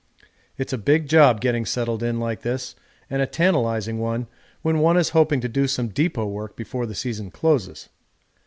It's a big job getting settled in like this and a tantalising one when one is hoping to do some depot work before the season closes.